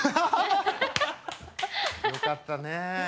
よかったね。